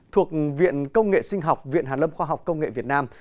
thuộc viện công nghệ sinh học viện hàn lâm khoa học công nghệ việt nam